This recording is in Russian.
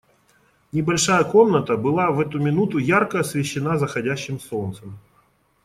Небольшая комната была в эту минуту ярко освещена заходящим солнцем.